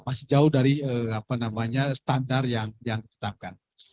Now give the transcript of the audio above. masih jauh dari standar yang ditetapkan